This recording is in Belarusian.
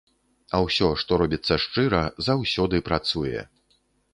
А ўсё, што робіцца шчыра, заўсёды працуе.